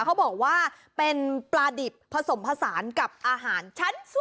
เขาบอกว่าเป็นปลาดิบผสมผสานกับอาหารชั้น๒